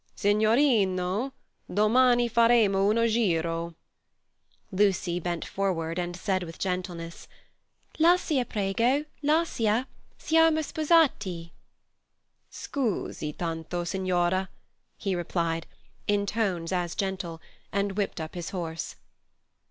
"Signorino, domani faremo uno giro—" Lucy bent forward and said with gentleness: "Lascia, prego, lascia. Siamo sposati." "Scusi tanto, signora," he replied in tones as gentle and whipped up his horse.